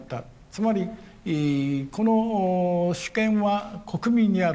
つまりこの主権は国民にある。